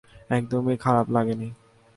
একদমই খারাপ লাগেনি।